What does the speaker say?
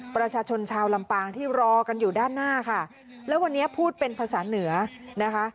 ประชาชนชาวลำปางที่รอกันอยู่ด้านหน้าค่ะแล้ววันนี้พูดเป็นภาษาเหนือนะคะ